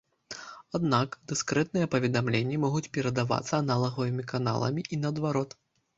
Аднак, дыскрэтныя паведамленні могуць перадавацца аналагавымі каналамі і наадварот.